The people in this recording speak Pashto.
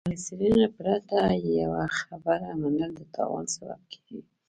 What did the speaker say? له څېړنې پرته يوه خبره منل د تاوان سبب کېږي.